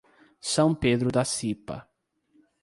São Pedro da Cipa